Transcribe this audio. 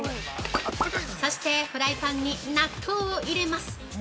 ◆そしてフライパンに納豆を入れます。